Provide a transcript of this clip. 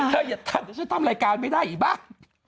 เธออย่าทำจะทำรายการไม่ได้อีกหรอก